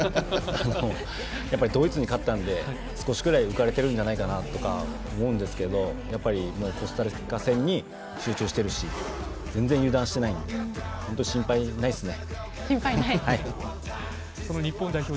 やっぱりドイツに勝ったんで少しぐらい浮かれているんじゃないかなとか思うんですけど、やっぱりコスタリカ戦に集中しているし全然油断していないんで本当に心配ないですね。